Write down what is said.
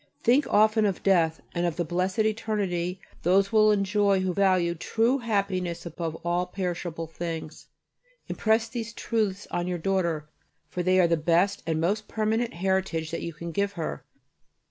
Think often of death and of the blessed eternity those will enjoy who value true happiness above all perishable things. Impress these truths on your daughter, for they are the best and most permanent heritage that you can give her.